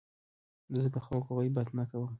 زه د خلکو غیبت نه کوم.